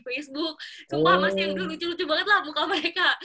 sumpah masih yang lucu lucu banget lah muka mereka